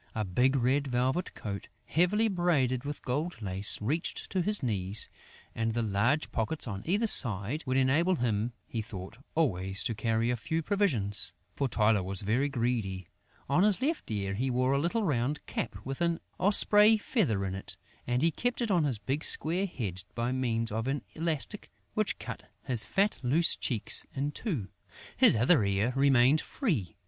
A big red velvet coat, heavily braided with gold lace, reached to his knees; and the large pockets on either side would enable him, he thought, always to carry a few provisions; for Tylô was very greedy. On his left ear, he wore a little round cap with an osprey feather in it and he kept it on his big square head by means of an elastic which cut his fat, loose cheeks in two. His other ear remained free.